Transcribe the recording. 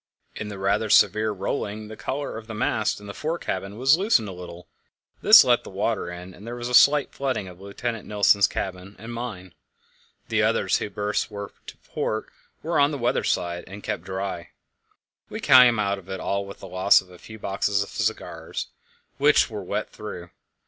In the rather severe rolling the collar of the mast in the fore cabin was loosened a little; this let the water in, and there was a slight flooding of Lieutenant Nilsen's cabin and mine. The others, whose berths were to port, were on the weather side, and kept dry. We came out of it all with the loss of a few boxes of cigars, which were wet through.